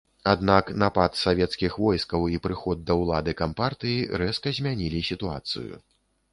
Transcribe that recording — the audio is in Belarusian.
Аднак, напад савецкіх войскаў і прыход да улады кампартыі рэзка змянілі сітуацыю.